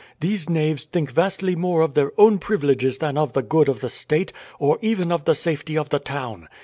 These knaves think vastly more of their own privileges than of the good of the State, or even of the safety of the town.